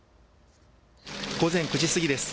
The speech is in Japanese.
午前９時過ぎです。